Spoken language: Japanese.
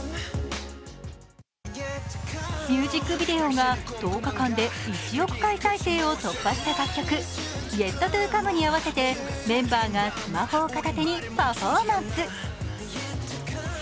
ミュージックビデオが１０日間で１億回再生を突破した楽曲「ＹｅｔＴｏＣｏｍｅ」に合わせてメンバーがスマホを片手にパフォーマンス。